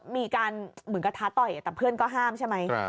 มีการเหมือนกับท้าต่อยแต่เพื่อนก็ห้ามใช่ไหม